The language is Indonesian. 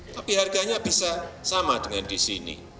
tapi harganya bisa sama dengan di sini